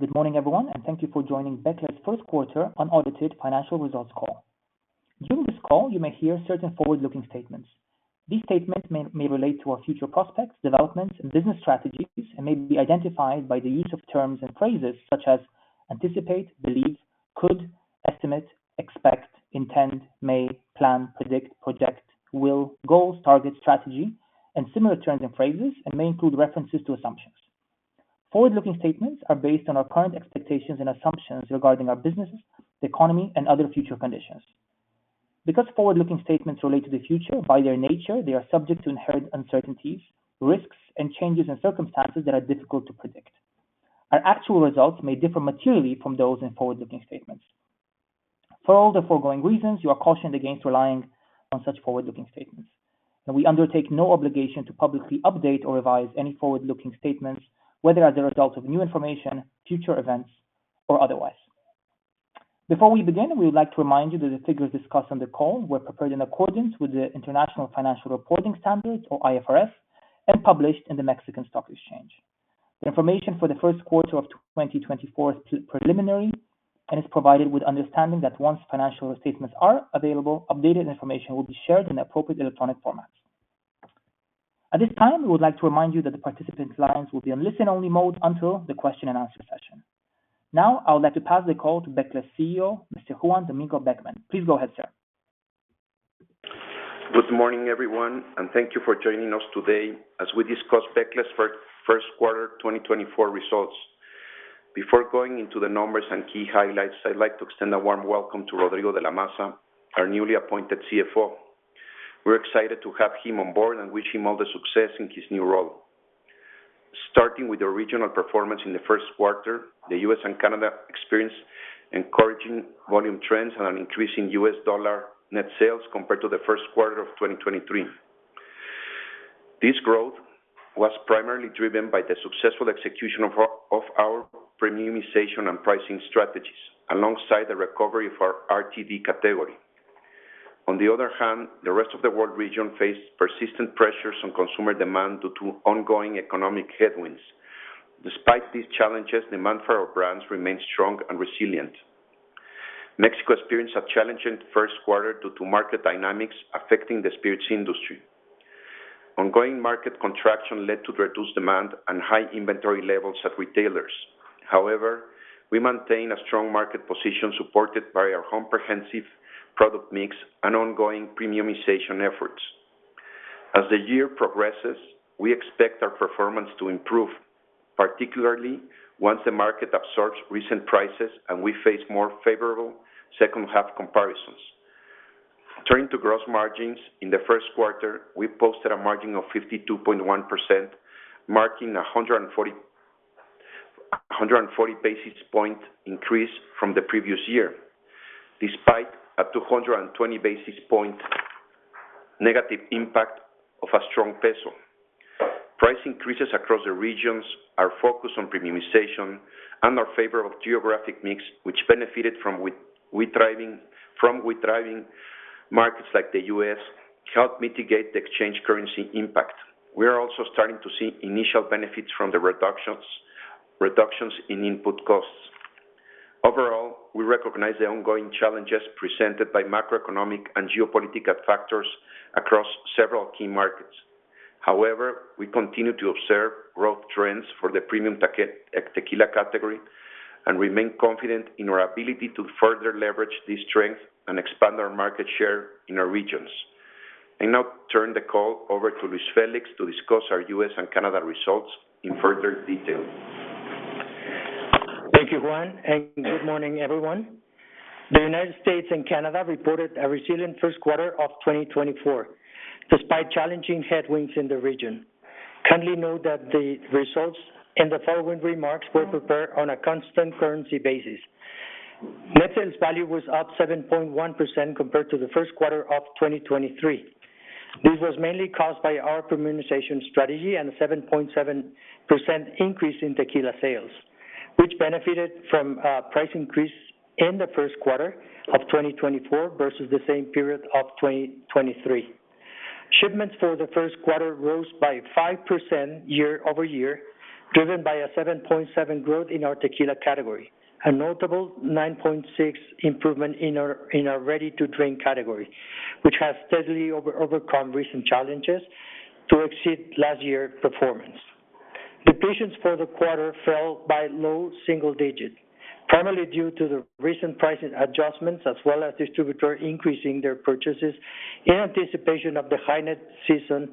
Good morning, everyone, and thank you for joining Becle's Q1 unaudited financial results call. During this call, you may hear certain forward-looking statements. These statements may, may relate to our future prospects, developments, and business strategies, and may be identified by the use of terms and phrases such as anticipate, believe, could, estimate, expect, intend, may, plan, predict, project, will, goals, target, strategy, and similar terms and phrases, and may include references to assumptions. Forward-looking statements are based on our current expectations and assumptions regarding our businesses, the economy, and other future conditions. Because forward-looking statements relate to the future, by their nature, they are subject to inherent uncertainties, risks, and changes in circumstances that are difficult to predict. Our actual results may differ materially from those in forward-looking statements. For all the foregoing reasons, you are cautioned against relying on such forward-looking statements, and we undertake no obligation to publicly update or revise any forward-looking statements, whether as a result of new information, future events, or otherwise. Before we begin, we would like to remind you that the figures discussed on the call were prepared in accordance with the International Financial Reporting Standards, or IFRS, and published in the Mexican Stock Exchange. The information for the Q1 of 2024 is preliminary and is provided with understanding that once financial statements are available, updated information will be shared in the appropriate electronic formats. At this time, we would like to remind you that the participant's lines will be on listen-only mode until the question and answer session. Now, I would like to pass the call to Becle's CEO, Mr. Juan Domingo Beckmann. Please go ahead, sir. Good morning, everyone, and thank you for joining us today as we discuss Becle's Q1 2024 results. Before going into the numbers and key highlights, I'd like to extend a warm welcome to Rodrigo de la Maza, our newly appointed CFO. We're excited to have him on board and wish him all the success in his new role. Starting with the regional performance in the Q1, the U.S. and Canada experienced encouraging volume trends and an increase in U.S. dollar net sales compared to the Q1 of 2023. This growth was primarily driven by the successful execution of our premiumization and pricing strategies, alongside the recovery of our RTD category. On the other hand, the rest of the world region faced persistent pressures on consumer demand due to ongoing economic headwinds. Despite these challenges, demand for our brands remains strong and resilient. Mexico experienced a challenging Q1 due to market dynamics affecting the spirits industry. Ongoing market contraction led to reduced demand and high inventory levels at retailers. However, we maintain a strong market position, supported by our comprehensive product mix and ongoing premiumization efforts. As the year progresses, we expect our performance to improve, particularly once the market absorbs recent prices and we face more favorable second half comparisons. Turning to gross margins, in the Q1, we posted a margin of 52.1%, marking a 140 basis point increase from the previous year, despite a 220 basis point negative impact of a strong peso. Price increases across the regions are focused on premiumization and our favor of geographic mix, which benefited from thriving markets like the U.S., helped mitigate the exchange currency impact. We are also starting to see initial benefits from the reductions in input costs. Overall, we recognize the ongoing challenges presented by macroeconomic and geopolitical factors across several key markets. However, we continue to observe growth trends for the premium tequila category and remain confident in our ability to further leverage this strength and expand our market share in our regions. I now turn the call over to Luis Félix to discuss our U.S. and Canada results in further detail. Thank you, Juan, and good morning, everyone. The United States and Canada reported a resilient Q1 of 2024, despite challenging headwinds in the region. Kindly note that the results and the following remarks were prepared on a constant currency basis. Net sales value was up 7.1% compared to the Q1 of 2023. This was mainly caused by our premiumization strategy and a 7.7% increase in tequila sales, which benefited from price increase in the Q1 of 2024 versus the same period of 2023. Shipments for the Q1 rose by 5% year-over-year, driven by a 7.7% growth in our tequila category, a notable 9.6% improvement in our ready-to-drink category, which has steadily overcome recent challenges to exceed last year's performance. Depletions for the quarter fell by low single digits, primarily due to the recent pricing adjustments, as well as distributors increasing their purchases in anticipation of the high net season,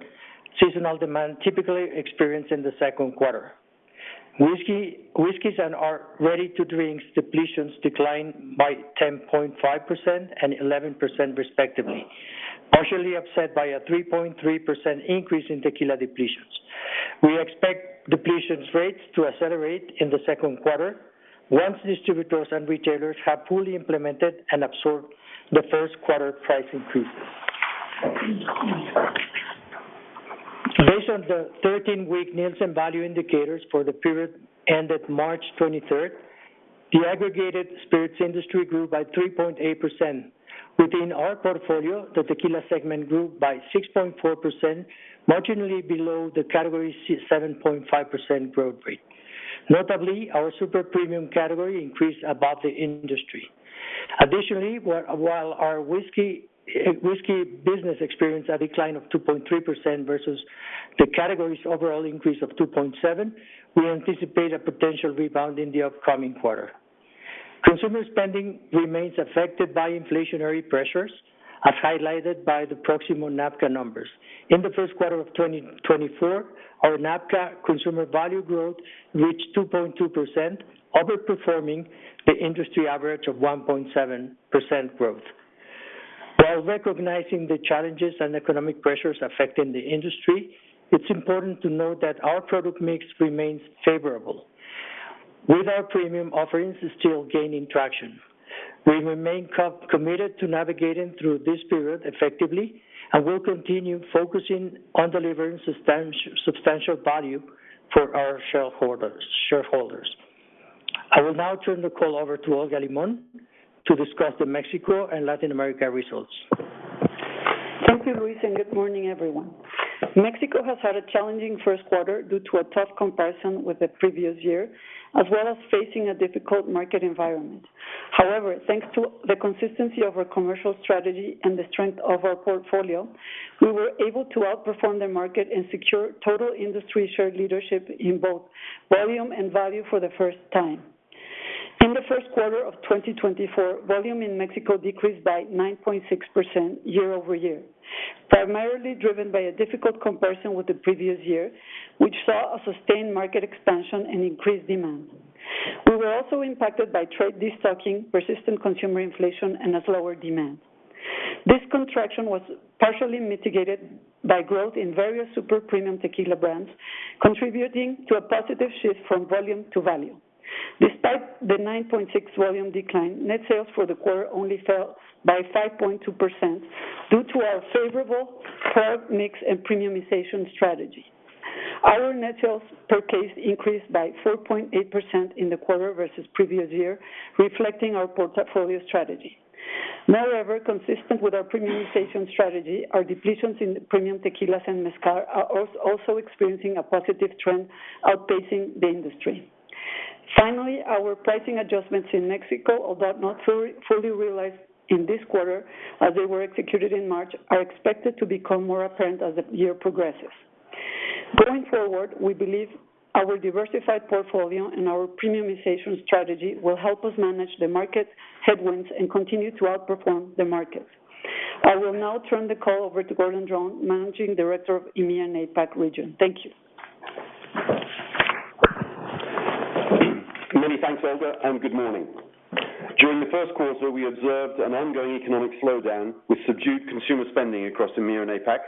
seasonal demand typically experienced in the Q2. Whiskey, whiskeys and our ready-to-drink depletions declined by 10.5% and 11%, respectively, partially upset by a 3.3% increase in tequila depletions. We expect depletions rates to accelerate in the Q2 once distributors and retailers have fully implemented and absorbed the Q1 price increases. Based on the 13-week Nielsen value indicators for the period ended March twenty-third... The aggregated spirits industry grew by 3.8%. Within our portfolio, the tequila segment grew by 6.4%, marginally below the category 7.5% growth rate. Notably, our super premium category increased above the industry. Additionally, while our whiskey business experienced a decline of 2.3% versus the category's overall increase of 2.7%, we anticipate a potential rebound in the upcoming quarter. Consumer spending remains affected by inflationary pressures, as highlighted by the Proximo NABCA numbers. In the Q1 of 2024, our NABCA consumer value growth reached 2.2%, overperforming the industry average of 1.7% growth. While recognizing the challenges and economic pressures affecting the industry, it's important to note that our product mix remains favorable, with our premium offerings still gaining traction. We remain committed to navigating through this period effectively, and we'll continue focusing on delivering substantial value for our shareholders. I will now turn the call over to Olga Limón to discuss the Mexico and Latin America results. Thank you, Luis, and good morning, everyone. Mexico has had a challenging Q1 due to a tough comparison with the previous year, as well as facing a difficult market environment. However, thanks to the consistency of our commercial strategy and the strength of our portfolio, we were able to outperform the market and secure total industry share leadership in both volume and value for the first time. In the Q1 of 2024, volume in Mexico decreased by 9.6% year-over-year, primarily driven by a difficult comparison with the previous year, which saw a sustained market expansion and increased demand. We were also impacted by trade destocking, persistent consumer inflation, and a slower demand. This contraction was partially mitigated by growth in various super premium tequila brands, contributing to a positive shift from volume to value. Despite the 9.6 volume decline, net sales for the quarter only fell by 5.2% due to our favorable product mix and premiumization strategy. Our net sales per case increased by 4.8% in the quarter versus previous year, reflecting our portfolio strategy. Moreover, consistent with our premiumization strategy, our depletions in premium tequilas and mezcal are also experiencing a positive trend, outpacing the industry. Finally, our pricing adjustments in Mexico, although not fully realized in this quarter as they were executed in March, are expected to become more apparent as the year progresses. Going forward, we believe our diversified portfolio and our premiumization strategy will help us manage the market headwinds and continue to outperform the market. I will now turn the call over to Gordon Dron, Managing Director of EMEA and APAC region. Thank you. Many thanks, Olga, and good morning. During the Q1, we observed an ongoing economic slowdown with subdued consumer spending across the EMEA and APAC.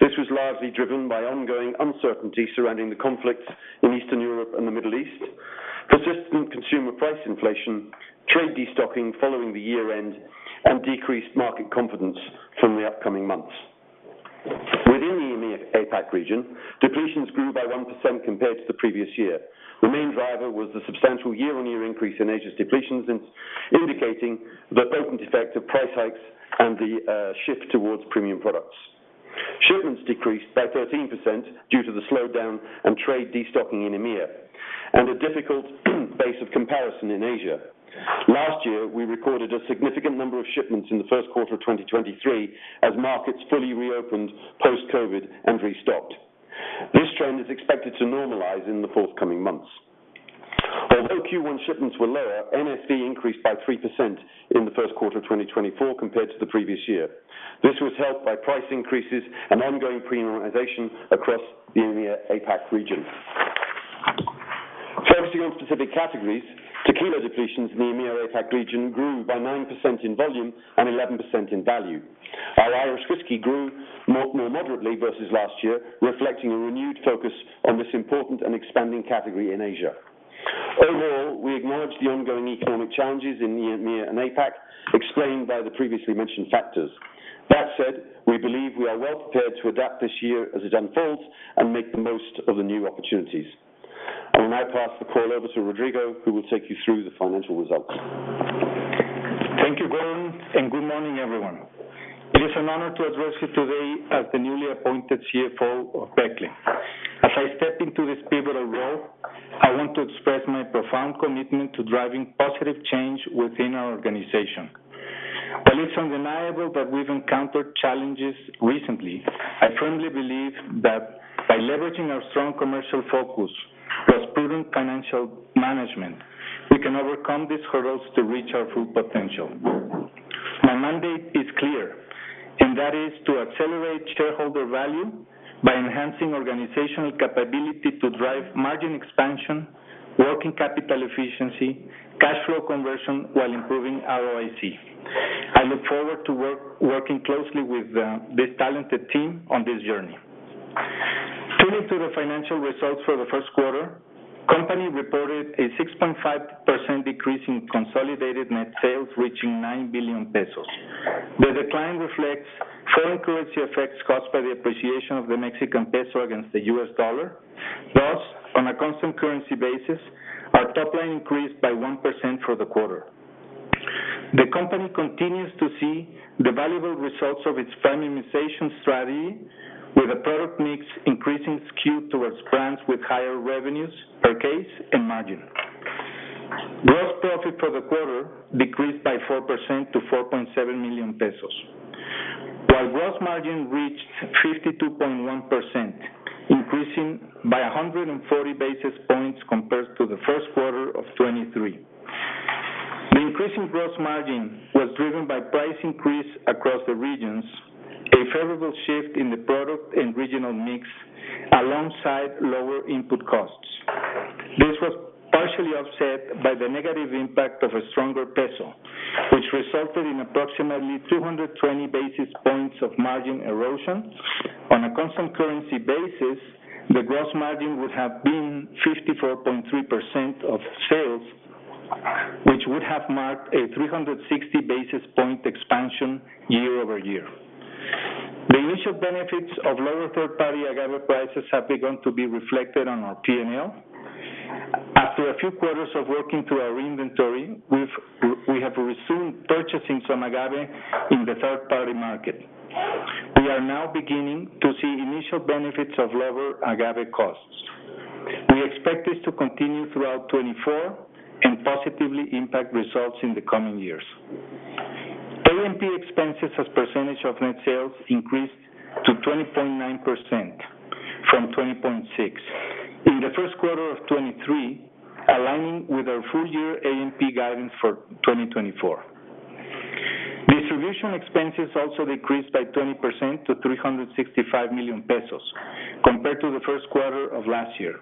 This was largely driven by ongoing uncertainty surrounding the conflicts in Eastern Europe and the Middle East, persistent consumer price inflation, trade destocking following the year-end, and decreased market confidence from the upcoming months. Within the EMEA, APAC region, depletions grew by 1% compared to the previous year. The main driver was the substantial year-on-year increase in Asia's depletions, indicating the potent effect of price hikes and the shift towards premium products. Shipments decreased by 13% due to the slowdown and trade destocking in EMEA, and a difficult base of comparison in Asia. Last year, we recorded a significant number of shipments in the Q1 of 2023 as markets fully reopened post-COVID and restocked. This trend is expected to normalize in the forthcoming months. Although Q1 shipments were lower, NSV increased by 3% in the Q1 of 2024 compared to the previous year. This was helped by price increases and ongoing premiumization across the EMEA, APAC region. Focusing on specific categories, tequila depletions in the EMEA, APAC region grew by 9% in volume and 11% in value. Our Irish whiskey grew more, more moderately versus last year, reflecting a renewed focus on this important and expanding category in Asia. Overall, we acknowledge the ongoing economic challenges in EMEA and APAC, explained by the previously mentioned factors. That said, we believe we are well prepared to adapt this year as it unfolds and make the most of the new opportunities. I will now pass the call over to Rodrigo, who will take you through the financial results. Thank you, Gordon, and good morning, everyone. It is an honor to address you today as the newly appointed CFO of Becle. As I step into this pivotal role, I want to express my profound commitment to driving positive change within our organization. While it's undeniable that we've encountered challenges recently, I firmly believe that by leveraging our strong commercial focus, plus prudent financial management, we can overcome these hurdles to reach our full potential. My mandate is clear, and that is to accelerate shareholder value by enhancing organizational capability to drive margin expansion, working capital efficiency, cash flow conversion, while improving ROIC. I look forward to working closely with this talented team on this journey. Turning to the financial results for the Q1, company reported a 6.5% decrease in consolidated net sales, reaching 9 billion pesos. The decline reflects-... Foreign currency effects caused by the appreciation of the Mexican peso against the U.S. dollar, plus on a constant currency basis, our top line increased by 1% for the quarter. The company continues to see the valuable results of its premiumization strategy, with a product mix increasing skew towards brands with higher revenues per case and margin. Gross profit for the quarter decreased by 4% to 4.7 million pesos, while gross margin reached 52.1%, increasing by 140 basis points compared to the Q1 of 2023. The increase in gross margin was driven by price increase across the regions, a favorable shift in the product and regional mix, alongside lower input costs. This was partially offset by the negative impact of a stronger peso, which resulted in approximately 220 basis points of margin erosion. On a constant currency basis, the gross margin would have been 54.3% of sales, which would have marked a 360 basis point expansion year-over-year. The initial benefits of lower third-party agave prices have begun to be reflected on our P&L. After a few quarters of working through our inventory, we have resumed purchasing some agave in the third-party market. We are now beginning to see initial benefits of lower agave costs. We expect this to continue throughout 2024 and positively impact results in the coming years. A&P expenses as a percentage of net sales increased to 20.9% from 20.6%. In the Q1 of 2023, aligning with our full year A&P guidance for 2024. Distribution expenses also decreased by 20% to 365 million pesos compared to the Q1 of last year,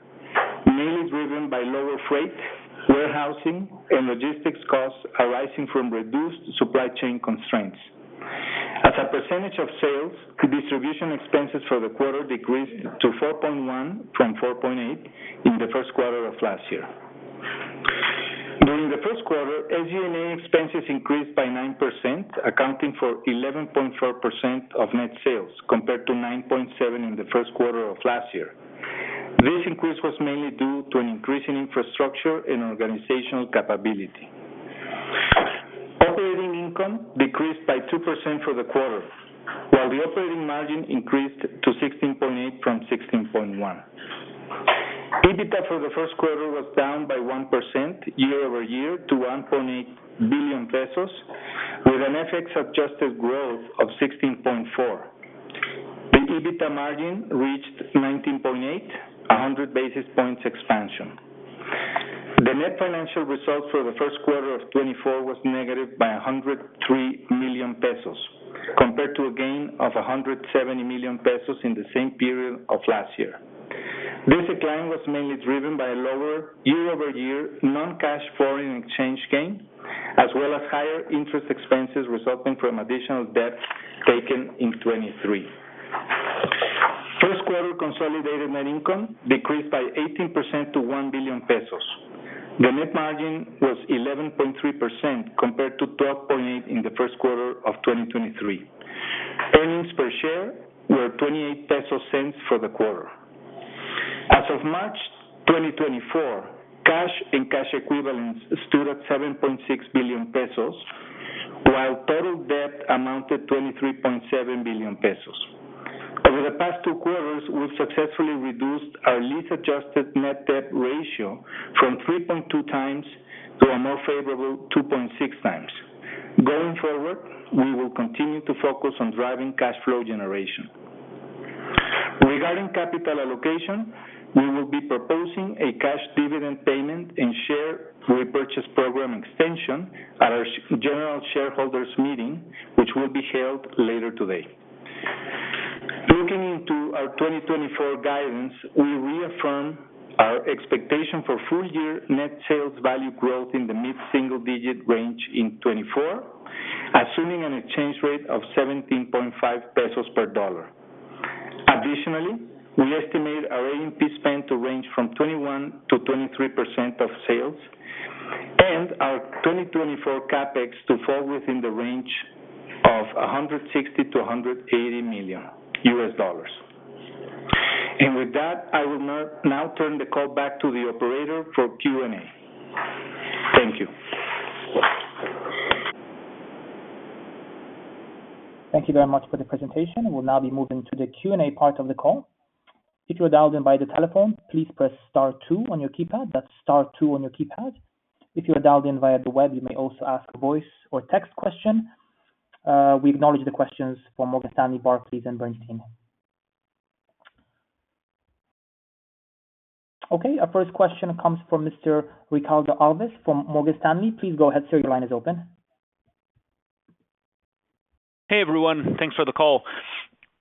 mainly driven by lower freight, warehousing, and logistics costs arising from reduced supply chain constraints. As a percentage of sales, distribution expenses for the quarter decreased to 4.1% from 4.8% in the Q1 of last year. During the Q1, SG&A expenses increased by 9%, accounting for 11.4% of net sales, compared to 9.7% in the Q1 of last year. This increase was mainly due to an increase in infrastructure and organizational capability. Operating income decreased by 2% for the quarter, while the operating margin increased to 16.8% from 16.1%. EBITDA for the Q1 was down by 1% year-over-year to 1.8 billion pesos, with an FX-adjusted growth of 16.4%. The EBITDA margin reached 19.8%, a 100 basis points expansion. The net financial results for the Q1 of 2024 was negative by 103 million pesos, compared to a gain of 170 million pesos in the same period of last year. This decline was mainly driven by lower year-over-year non-cash foreign exchange gain, as well as higher interest expenses resulting from additional debt taken in 2023. Q1 consolidated net income decreased by 18% to 1 billion pesos. The net margin was 11.3%, compared to 12.8% in the Q1 of 2023. Earnings per share were 0.28 for the quarter. As of March 2024, cash and cash equivalents stood at 7.6 billion pesos, while total debt amounted to 23.7 billion pesos. Over the past Q2, we've successfully reduced our lease-adjusted net debt ratio from 3.2 times to a more favorable 2.6 times. Going forward, we will continue to focus on driving cash flow generation. Regarding capital allocation, we will be proposing a cash dividend payment and share repurchase program extension at our general shareholders meeting, which will be held later today. Looking into our 2024 guidance, we reaffirm our expectation for full year net sales value growth in the mid-single digit range in 2024, assuming an exchange rate of 17.5 pesos per dollar. Additionally, we estimate our A&P spend to range from 21%-23% of sales, and our 2024 CapEx to fall within the range of $160 million-$180 million. With that, I will now turn the call back to the operator for Q&A. Thank you. Thank you very much for the presentation. We'll now be moving to the Q&A part of the call. If you are dialed in by the telephone, please press star two on your keypad. That's star two on your keypad. If you are dialed in via the web, you may also ask a voice or text question. We acknowledge the questions from Morgan Stanley, Barclays, and Bernstein. Okay, our first question comes from Mr. Ricardo Alves from Morgan Stanley. Please go ahead, sir. Your line is open. Hey, everyone. Thanks for the call.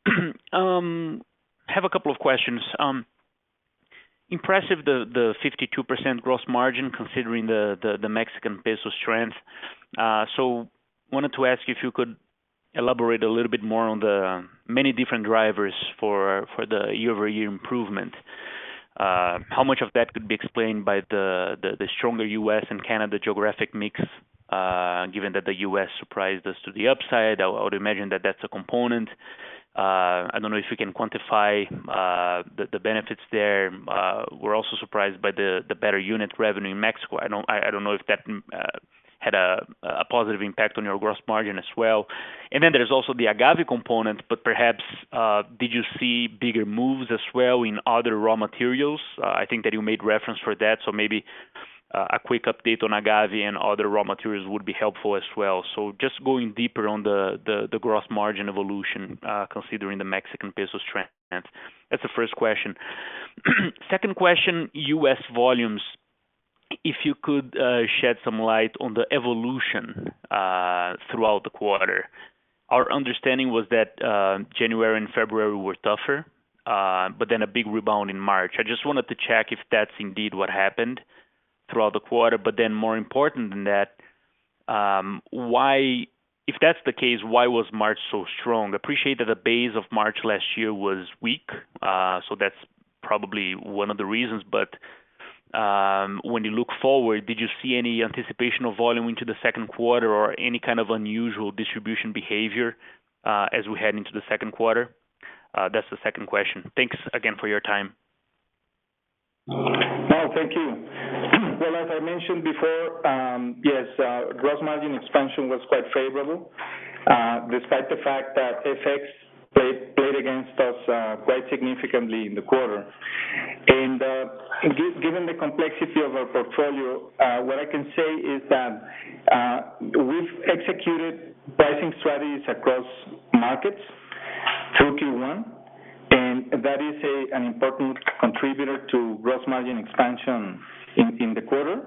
I have a couple of questions. Impressive, the 52% gross margin, considering the Mexican peso strength. So wanted to ask if you could elaborate a little bit more on the many different drivers for the year-over-year improvement? How much of that could be explained by the stronger U.S. and Canada geographic mix, given that the U.S. surprised us to the upside? I would imagine that that's a component. I don't know if you can quantify the benefits there. We're also surprised by the better unit revenue in Mexico. I don't know if that had a positive impact on your gross margin as well. And then there's also the agave component, but perhaps, did you see bigger moves as well in other raw materials? I think that you made reference for that, so maybe, a quick update on agave and other raw materials would be helpful as well. So just going deeper on the gross margin evolution, considering the Mexican peso strength. That's the first question. Second question, U.S. volumes. If you could shed some light on the evolution throughout the quarter. Our understanding was that January and February were tougher, but then a big rebound in March. I just wanted to check if that's indeed what happened throughout the quarter, but then more important than that, why, if that's the case, why was March so strong? I appreciate that the base of March last year was weak, so that's probably one of the reasons. But, when you look forward, did you see any anticipation of volume into the Q2 or any kind of unusual distribution behavior, as we head into the Q2? That's the second question. Thanks again for your time. No, thank you. Well, as I mentioned before, yes, gross margin expansion was quite favorable, despite the fact that FX played against us, quite significantly in the quarter. Given the complexity of our portfolio, what I can say is that, we've executed pricing strategies across markets through Q1, and that is an important contributor to gross margin expansion in the quarter.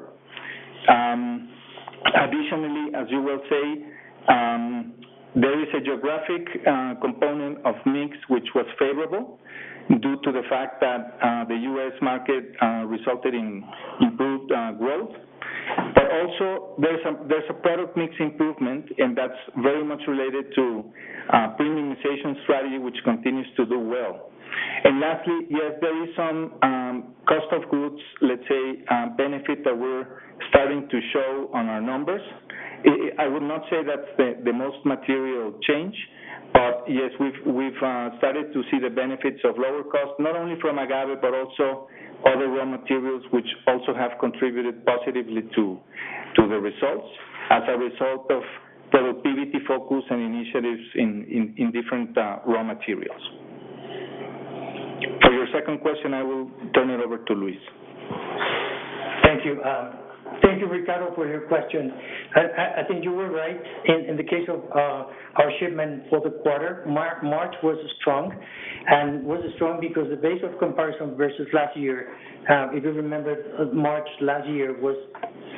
Additionally, as you well say, there is a geographic component of mix, which was favorable due to the fact that, the U.S. market resulted in improved growth. But also there's a product mix improvement, and that's very much related to premiumization strategy, which continues to do well. And lastly, yes, there is some cost of goods, let's say, benefit that we're starting to show on our numbers. I would not say that's the most material change, but yes, we've started to see the benefits of lower cost, not only from agave, but also other raw materials, which also have contributed positively to the results as a result of productivity focus and initiatives in different raw materials. For your second question, I will turn it over to Luis. Thank you. Thank you, Ricardo, for your question. I think you were right. In the case of our shipment for the quarter, March was strong, and was strong because the base of comparison versus last year, if you remember, March last year was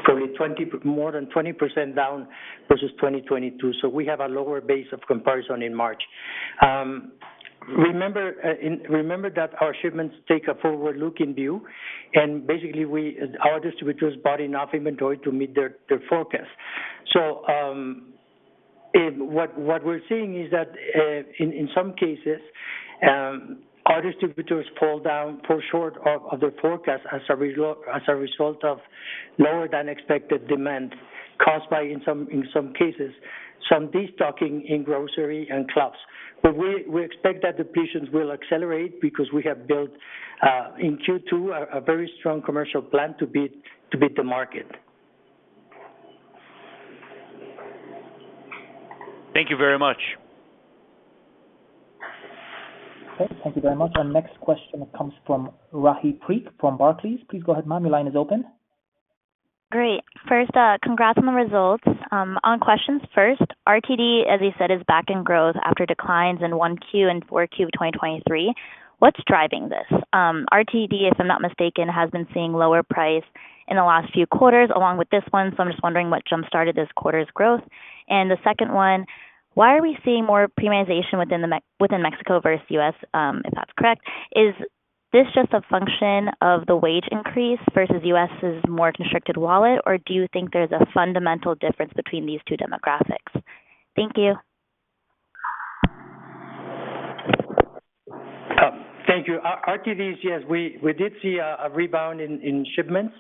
probably 20, more than 20% down versus 2022. So we have a lower base of comparison in March. Remember that our shipments take a forward-looking view, and basically, our distributors bought enough inventory to meet their forecast. So, what we're seeing is that, in some cases, our distributors fall short of the forecast as a result of lower than expected demand caused by, in some cases, some destocking in grocery and clubs. But we expect that the placements will accelerate because we have built in Q2 a very strong commercial plan to beat the market. Thank you very much. Okay, thank you very much. Our next question comes from Rahi Parikh from Barclays. Please go ahead, ma'am, your line is open. Great. First, congrats on the results. On questions first, RTD, as you said, is back in growth after declines in Q1 and Q4 of 2023. What's driving this? RTD, if I'm not mistaken, has been seeing lower price in the last few quarters, along with this one, so I'm just wondering what jumpstarted this quarter's growth. And the second one, why are we seeing more premiumization within Mexico versus U.S., if that's correct? Is this just a function of the wage increase versus U.S.'s more constricted wallet, or do you think there's a fundamental difference between these two demographics? Thank you. Thank you. RTDs, yes, we did see a rebound in shipments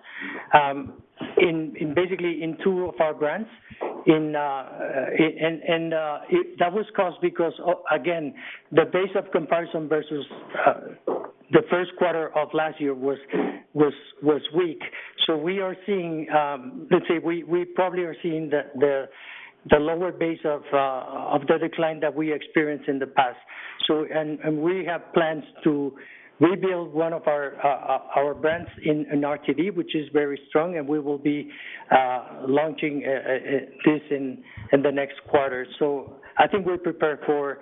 in basically in two of our brands. In and that was caused because again the base of comparison versus the Q1 of last year was weak. So we are seeing, let's say we probably are seeing the lower base of the decline that we experienced in the past. So and we have plans to rebuild one of our our brands in RTD, which is very strong, and we will be launching this in the next quarter. So I think we're prepared for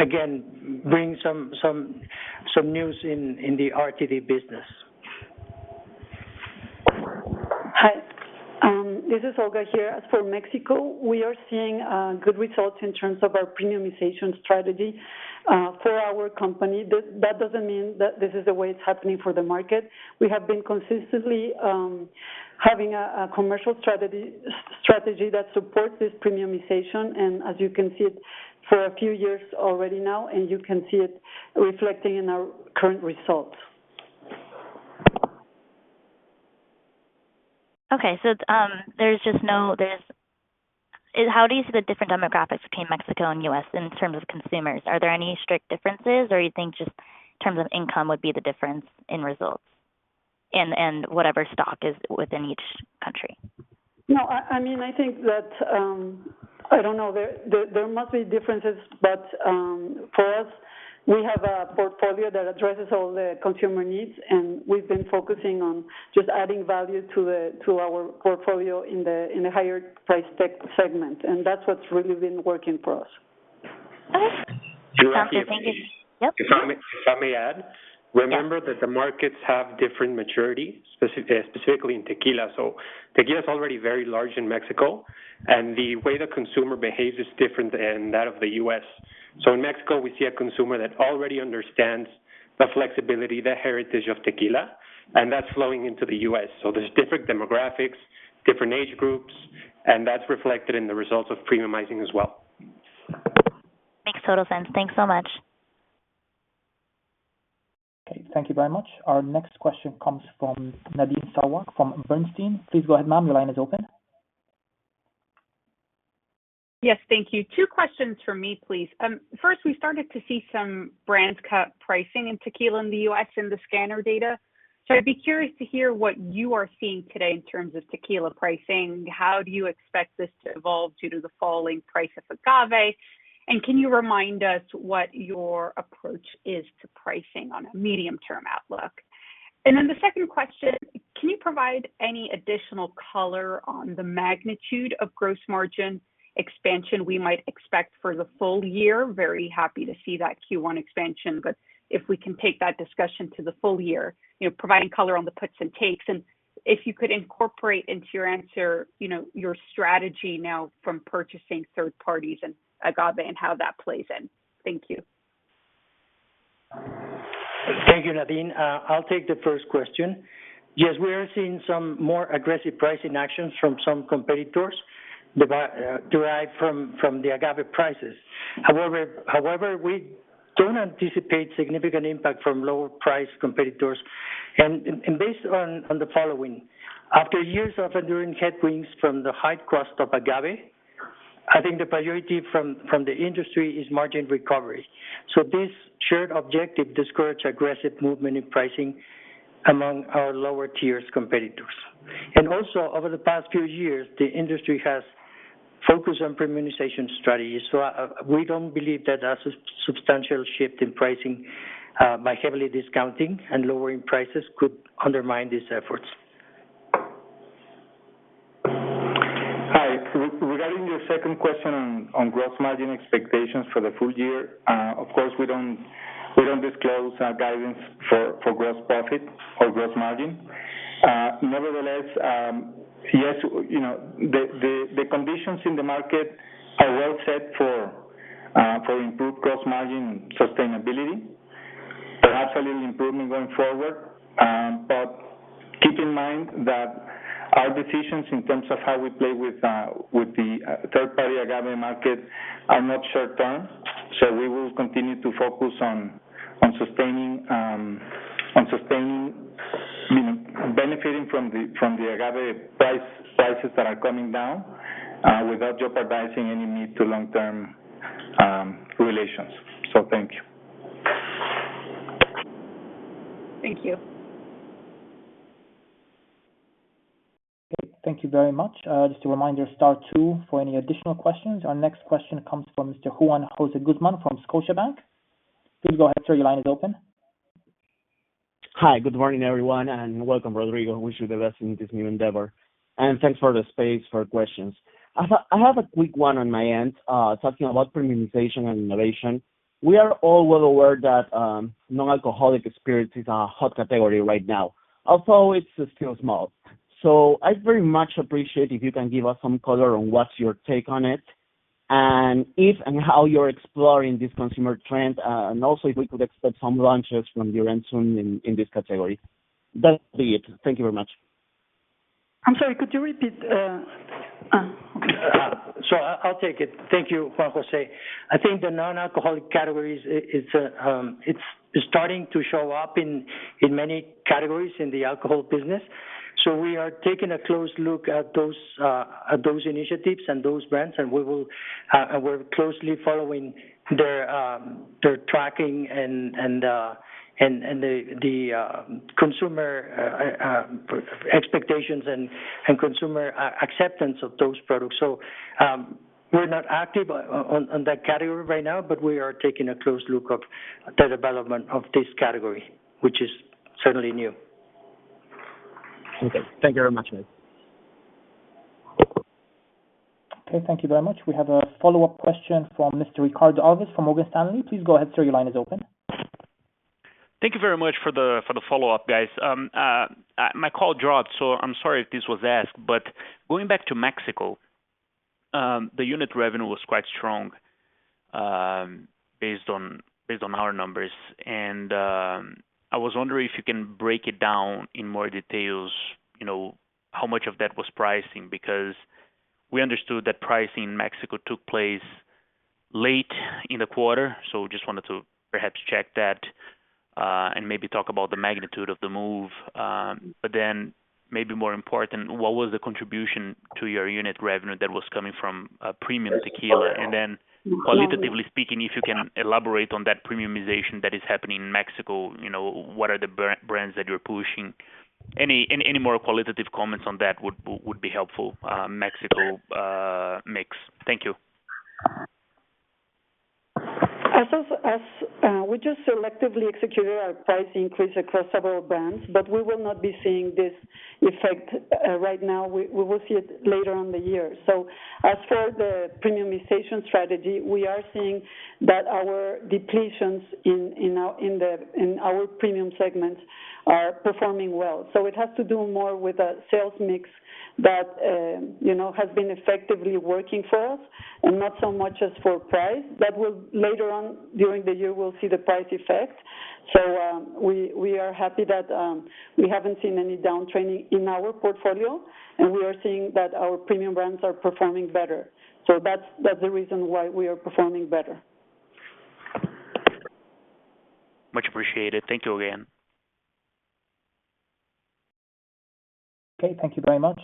again bringing some news in the RTD business. Hi, this is Olga here. As for Mexico, we are seeing good results in terms of our premiumization strategy for our company. That, that doesn't mean that this is the way it's happening for the market. We have been consistently having a commercial strategy, strategy that supports this premiumization, and as you can see it for a few years already now, and you can see it reflecting in our current results. Okay. So, and how do you see the different demographics between Mexico and U.S. in terms of consumers? Are there any strict differences, or you think just in terms of income would be the difference in results, and, and whatever stock is within each country? No, I mean, I think that, I don't know. There must be differences, but for us, we have a portfolio that addresses all the consumer needs, and we've been focusing on just adding value to our portfolio in the higher price tequila segment, and that's what's really been working for us. Okay. Thank you. If I may add- Yeah. Remember that the markets have different maturity, specifically in tequila. So tequila is already very large in Mexico, and the way the consumer behaves is different than that of the U.S. So in Mexico, we see a consumer that already understands the flexibility, the heritage of tequila, and that's flowing into the U.S. So there's different demographics, different age groups, and that's reflected in the results of premiumizing as well. Makes total sense. Thanks so much. Okay, thank you very much. Our next question comes from Nadine Sarwat from Bernstein. Please go ahead, ma'am. Your line is open. Yes, thank you. Two questions for me, please. First, we started to see some brands cut pricing in tequila in the U.S. in the scanner data. So I'd be curious to hear what you are seeing today in terms of tequila pricing. How do you expect this to evolve due to the falling price of agave? And can you remind us what your approach is to pricing on a medium-term outlook? And then the second question, can you provide any additional color on the magnitude of gross margin expansion we might expect for the full year? Very happy to see that Q1 expansion, but if we can take that discussion to the full year, you know, providing color on the puts and takes, and if you could incorporate into your answer, you know, your strategy now from purchasing third parties and agave and how that plays in. Thank you. Thank you, Nadine. I'll take the first question. Yes, we are seeing some more aggressive pricing actions from some competitors derived from the agave prices. However, we don't anticipate significant impact from lower-priced competitors, and based on the following: after years of enduring headwinds from the high cost of agave, I think the priority from the industry is margin recovery. So this shared objective discourage aggressive movement in pricing among our lower-tier competitors. And also, over the past few years, the industry has focused on premiumization strategies, so we don't believe that a substantial shift in pricing by heavily discounting and lowering prices could undermine these efforts. Hi. Regarding your second question on gross margin expectations for the full year, of course, we don't disclose our guidance for gross profit or gross margin. Nevertheless, yes, you know, the conditions in the market are well set for improved gross margin sustainability, perhaps a little improvement going forward. But keep in mind that our decisions in terms of how we play with the third party agave market are not short term. So we will continue to focus on sustaining, you know, benefiting from the agave prices that are coming down, without jeopardizing any mid to long-term relations. So thank you. Thank you. Okay, thank you very much. Just a reminder, star two for any additional questions. Our next question comes from Mr. Juan José Guzmán from Scotiabank. Please go ahead, sir. Your line is open. Hi, good morning, everyone, and welcome, Rodrigo. Wish you the best in this new endeavor. Thanks for the space for questions. I have a quick one on my end, talking about premiumization and innovation. We are all well aware that non-alcoholic spirits is a hot category right now, although it's still small. So I very much appreciate if you can give us some color on what's your take on it, and if and how you're exploring this consumer trend, and also, if we could expect some launches from your end soon in this category. That's it. Thank you very much. I'm sorry, could you repeat? Okay. So, I'll take it. Thank you, Juan José. I think the non-alcoholic categories it's starting to show up in many categories in the alcohol business. So we are taking a close look at those initiatives and those brands, and we will. And we're closely following their tracking and the consumer expectations and consumer acceptance of those products. So, we're not active on that category right now, but we are taking a close look of the development of this category, which is certainly new. Okay. Thank you very much. Okay, thank you very much. We have a follow-up question from Mr. Ricardo Alves from Morgan Stanley. Please go ahead, sir. Your line is open. Thank you very much for the follow-up, guys. My call dropped, so I'm sorry if this was asked, but going back to Mexico-... The unit revenue was quite strong, based on, based on our numbers. And, I was wondering if you can break it down in more details, you know, how much of that was pricing? Because we understood that pricing in Mexico took place late in the quarter, so just wanted to perhaps check that, and maybe talk about the magnitude of the move. But then maybe more important, what was the contribution to your unit revenue that was coming from, premium tequila? And then qualitatively speaking, if you can elaborate on that premiumization that is happening in Mexico, you know, what are the brands that you're pushing? Any more qualitative comments on that would be helpful, Mexico mix. Thank you. As of, we just selectively executed our price increase across several brands, but we will not be seeing this effect right now. We will see it later on the year. So as for the premiumization strategy, we are seeing that our depletions in our premium segments are performing well. So it has to do more with the sales mix that you know has been effectively working for us, and not so much as for price. But we'll later on during the year, we'll see the price effect. So we are happy that we haven't seen any downtrending in our portfolio, and we are seeing that our premium brands are performing better. So that's the reason why we are performing better. Much appreciated. Thank you again. Okay, thank you very much.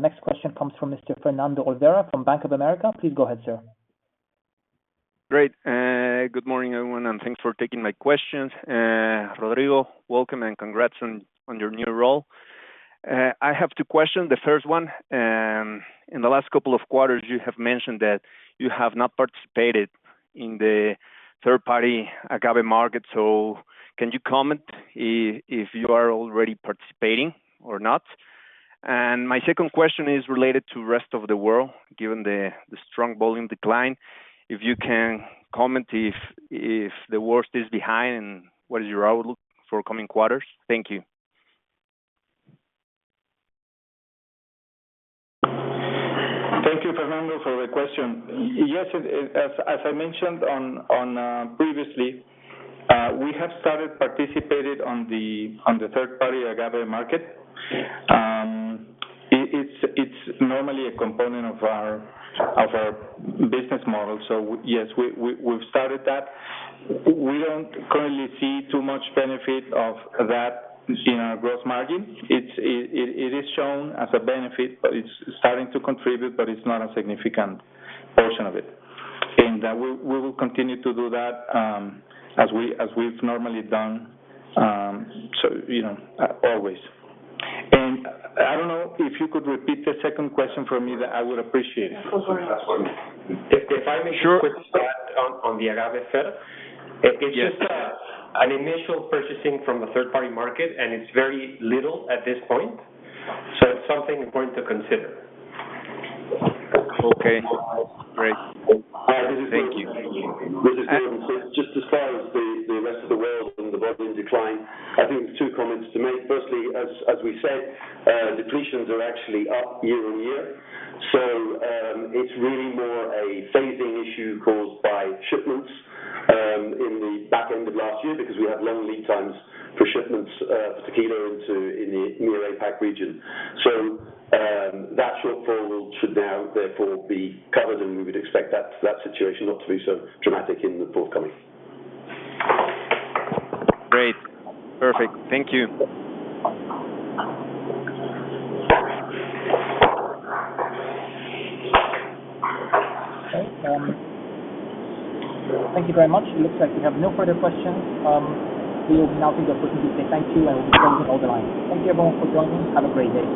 Next question comes from Mr. Fernando Olvera from Bank of America. Please go ahead, sir. Great. Good morning, everyone, and thanks for taking my questions. Rodrigo, welcome and congrats on your new role. I have two question. The first one, in the last couple of quarters, you have mentioned that you have not participated in the third party agave market, so can you comment if you are already participating or not? And my second question is related to rest of the world, given the strong volume decline, if you can comment if the worst is behind and what is your outlook for coming quarters? Thank you. Thank you, Fernando, for the question. Yes, as I mentioned previously, we have started participating on the third-party agave market. It is normally a component of our business model. So yes, we've started that. We don't currently see too much benefit of that in our gross margin. It is shown as a benefit, but it's starting to contribute, but it's not a significant portion of it. And we will continue to do that, as we've normally done, so, you know, always. And I don't know if you could repeat the second question for me. I would appreciate it. Yes, of course. If I may- Sure. On the agave sale. Yes. It's just an initial purchasing from a third party market, and it's very little at this point, so it's something important to consider. Okay, great. Thank you. This is Gordon. So just as far as the rest of the world and the volume decline, I think two comments to make. Firstly, as we said, depletions are actually up year-on-year. So, it's really more a phasing issue caused by shipments in the back end of last year, because we had long lead times for shipments for tequila into the EMEA, APAC region. So, that shortfall should now therefore be covered, and we would expect that situation not to be so dramatic in the forthcoming. Great. Perfect. Thank you. Okay, thank you very much. It looks like we have no further questions. We will now take the opportunity to say thank you, and we'll end the line. Thank you everyone for joining. Have a great day.